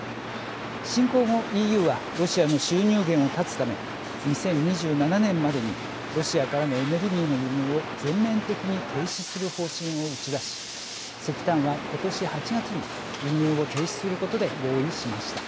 侵攻後、ＥＵはロシアの収入源を断つため２０２７年までにロシアからのエネルギーの輸入を全面的に停止する方針を打ち出し石炭は、ことし８月に輸入を停止することで合意しました。